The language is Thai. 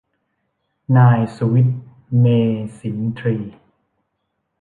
นายสุวิทย์ เมษินทรีย์